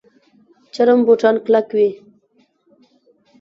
چرم بوټان کلک وي